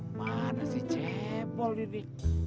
kemana sih cebol ini